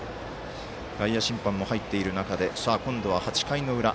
外野審判も入っている中で今度は８回の裏。